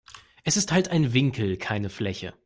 Es ist halt ein Winkel, keine Fläche.